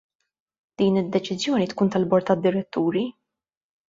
Din id-deċiżjoni tkun tal-bord tad-diretturi?